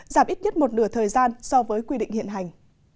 giảm ít nhất một nửa thời gian so với quy định hiện hành